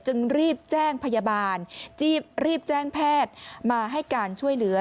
จึงรีบแจ้งพยาบาลรีบแจ้งแพทย์มาให้การช่วยเหลือ